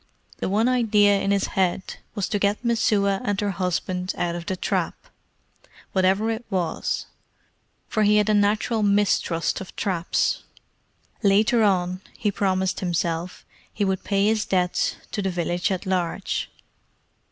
The one idea in his head was to get Messua and her husband out of the trap, whatever it was; for he had a natural mistrust of traps. Later on, he promised himself, he would pay his debts to the village at large.